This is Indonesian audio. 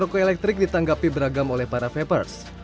rokoelektrik ditanggapi beragam oleh para vapers